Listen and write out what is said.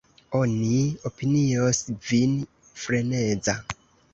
Oni opinios vin freneza.